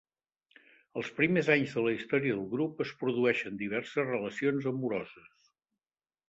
Els primers anys de la història del grup es produeixen diverses relacions amoroses.